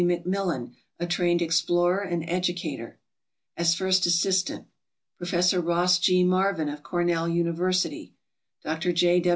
McMillan, a trained explorer and educator, as first assistant, Prof. Ross G. Marvin, of Cornell University, Dr. J.